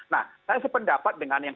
nah saya sependapat dengan yang